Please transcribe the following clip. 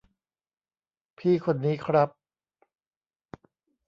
พี่คนนี้ครับ